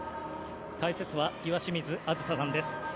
解説は岩清水梓さんです。